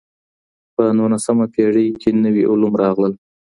په نولسمه پېړۍ کي نوي علوم راغلل.